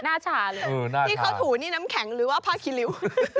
หน้าชาอะเลยหน้าชาเป็นน้ำแข็งหรือว่าผ้าขีริ๊ว